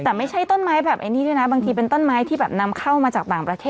แต่ไม่ใช่ต้นไม้แบบไอ้นี่ด้วยนะบางทีเป็นต้นไม้ที่แบบนำเข้ามาจากต่างประเทศ